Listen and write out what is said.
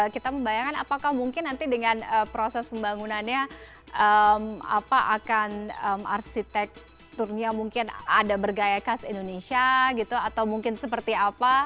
kita membayangkan apakah mungkin nanti dengan proses pembangunannya akan arsitekturnya mungkin ada bergaya khas indonesia gitu atau mungkin seperti apa